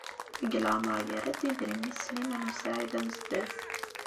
Deg leɛmeṛ yerra-d idrimen-is Sliman u Saɛid Amezdat.